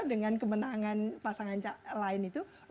dengan kemenangan pasangan lain itu